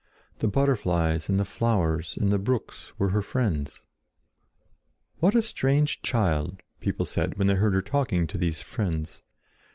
The butterflies and the flowers and the brooks were her friends. "What a strange child," people said when they heard her talking to these friends.